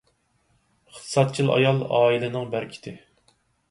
ئىقتىسادچىل ئايال — ئائىلىنىڭ بەرىكىتى.